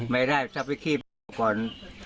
ไม่ได้ปิ่งคี่ออกก่อน